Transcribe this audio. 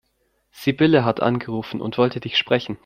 Sibylle hat angerufen und wollte dich sprechen.